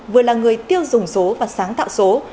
vừa là người tiêu dùng số và sáng tạo số